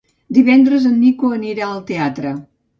Divendres en Nico anirà al teatre.